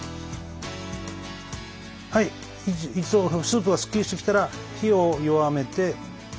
はいスープがスッキリしてきたら火を弱めて。